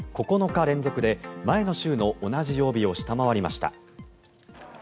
９日連続で前の週の同じ曜日を下回りました。